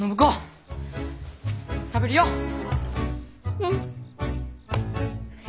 うん。